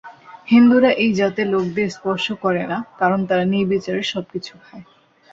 হিন্দুরা এই জাতের লোকদের স্পর্শ করে না, কারণ তারা নির্বিচারে সব কিছু খায়।